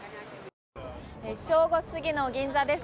正午過ぎの銀座です。